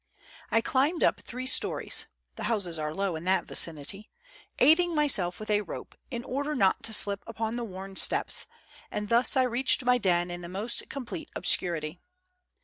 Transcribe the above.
I climbed up three stories — the houses are low in that vicinity, — aiding myself with a rope in order not to slip upon the worn steps, and thus I reached my den in the most complete obscurity.